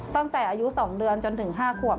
ตั้งแต่อายุ๒เดือนจนถึง๕ขวบ